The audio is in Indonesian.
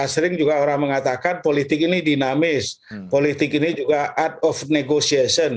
sering juga orang mengatakan politik ini dinamis politik ini juga art of negosiation